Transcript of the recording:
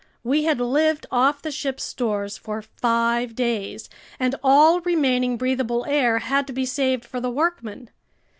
We had lived off the ship's stores for five days! And all remaining breathable air had to be saved for the workmen.